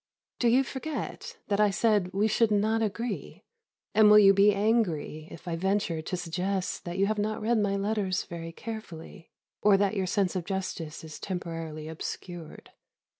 Do you forget that I said we should not agree, and will you be angry if I venture to suggest that you have not read my letters very carefully, or that your sense of justice is temporarily obscured?